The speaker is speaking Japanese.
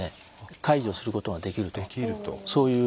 介助することができるとそういう規定があります。